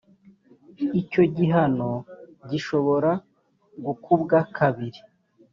icyo gihano gishobora gukubwa kabiri